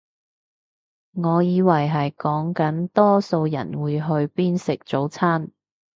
我以為係講緊多數人會去邊食早餐